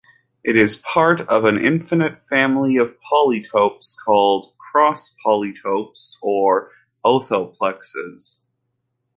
It is a part of an infinite family of polytopes, called cross-polytopes or "orthoplexes".